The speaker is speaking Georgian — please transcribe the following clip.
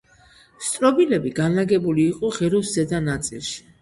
სტრობილები განლაგებული იყო ღეროს ზედა ნაწილში.